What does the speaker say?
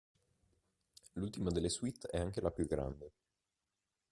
L'ultima delle suite è anche la più grande.